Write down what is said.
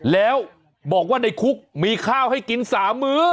แล้วบอกว่าในคุกมีข้าวให้กิน๓มื้อ